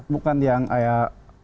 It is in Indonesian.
bukan yang khusus